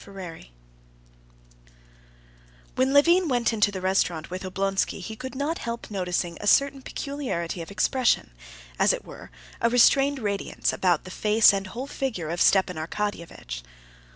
Chapter 10 When Levin went into the restaurant with Oblonsky, he could not help noticing a certain peculiarity of expression, as it were, a restrained radiance, about the face and whole figure of Stepan Arkadyevitch.